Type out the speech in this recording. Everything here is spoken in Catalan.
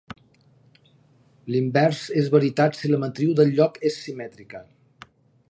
L'invers és veritat si la matriu del lloc és simètrica.